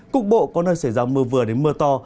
cục bộ có nơi xảy ra mưa vừa đến mưa to